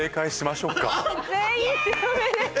全員おめでとう。